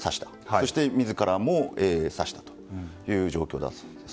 そして自らも刺したという状況だと。